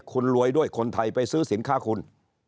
คุณรวยด้วยคนไทยไปซื้อสินค้าคุณ